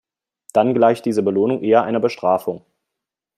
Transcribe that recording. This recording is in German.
Dann gleicht diese Belohnung eher einer Bestrafung.